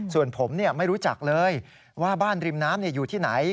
ส่วนผมไม่รู้จักเลยว่าบ้านริมน้ำอยู่ที่ไหน